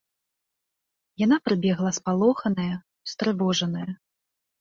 Яна прыбегла спалоханая, устрывожаная.